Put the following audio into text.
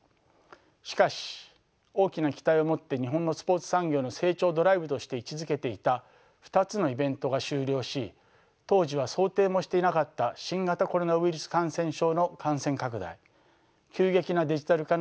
しかし大きな期待を持って日本のスポーツ産業の成長ドライブとして位置づけていた２つのイベントが終了し当時は想定もしていなかった新型コロナウイルス感染症の感染拡大急激なデジタル化の進展